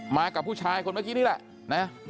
มากับผู้ชายคนเมื่อกี้นี่แหละนะ